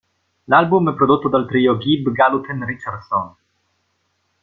L'album è prodotto dal trio Gibb-Galuten-Richardson.